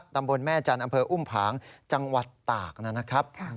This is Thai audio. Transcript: ตำบลแม่จันทร์อำเภออุ้มผางจังหวัดตากนะครับ